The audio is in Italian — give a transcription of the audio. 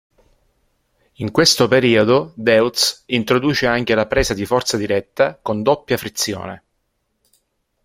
In questo periodo Deutz introduce anche la presa di forza diretta con doppia frizione.